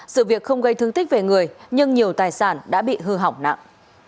sự việc không gây thương tích về người nhưng nhiều tài sản đã bị hư hỏng nặng